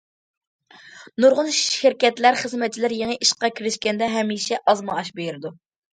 نۇرغۇن شىركەتلەر خىزمەتچىلەر يېڭى ئىشقا كىرىشكەندە ھەمىشە ئاز مائاش بېرىدۇ.